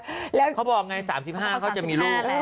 เขาบอกไง๓๕เขาจะมีลูก